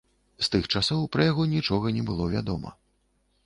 З тых часоў пра яго нічога не было вядома.